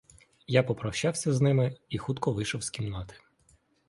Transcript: Я попрощався з ними і хутко вийшов з кімнати.